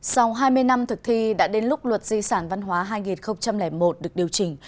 sau hai mươi năm thực thi đã đến lúc luật di sản văn hóa hai nghìn một được điều chỉnh